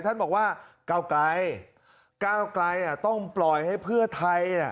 ท่านบอกว่าก้าวไกลก้าวไกลต้องปล่อยให้เพื่อไทย